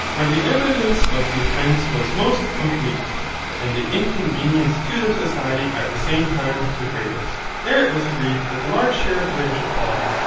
Where the evidence of the offence was most complete, and the inconvenience to the society at the same time the greatest, there it was agreed that the large share of blame should fall.